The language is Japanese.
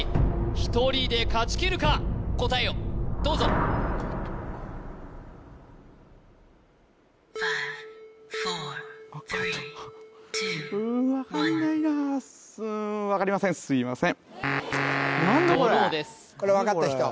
１人で勝ちきるか答えをどうぞうー分かんないな分かりませんすいませんドローですこれ分かった人？